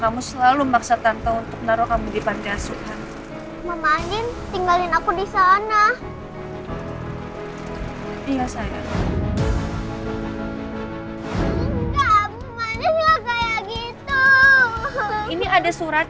mama angin gak tinggalin aku di pantai asuhan